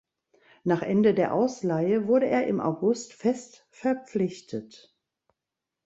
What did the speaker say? Nach Ende der Ausleihe wurde er im August fest verpflichtet.